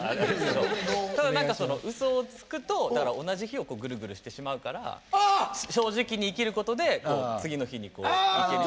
ただ何か嘘をつくとだから同じ日をぐるぐるしてしまうから正直に生きることで次の日に行けるみたいな。